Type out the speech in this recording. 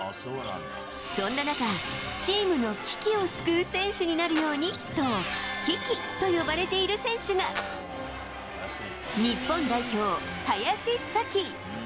そんな中、チームの危機を救う選手になるようにとキキと呼ばれている選手が日本代表、林咲希。